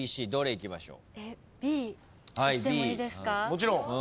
もちろん。